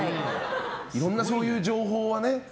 いろんなそういう情報はね。